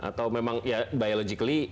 atau memang biologically